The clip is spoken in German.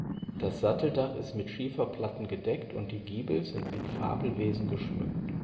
Das Satteldach ist mit Schieferplatten gedeckt und die Giebel sind mit Fabelwesen geschmückt.